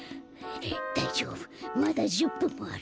だいじょうぶまだ１０ぷんもある。